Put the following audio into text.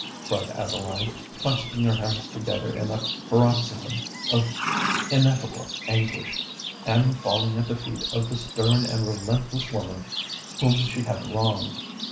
cried Adeline, clasping her hands together in a paroxysm of ineffable anguish, and falling at the feet of the stern and relentless woman whom she had wronged.